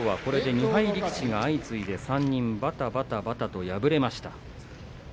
２敗力士が相次いで３人ばたばたときょう敗れました。